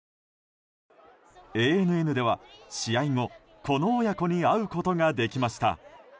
ＡＮＮでは試合後、この親子に会うことができました。